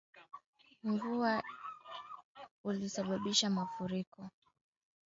Bwana Ssebbo Ogongo raia wa Uganda ambaye amekuwa akiishi katika mji mkuu wa Kenya Nairobi kwa miaka kadhaa